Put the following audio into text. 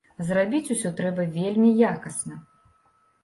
Зрабіць усё трэба вельмі якасна.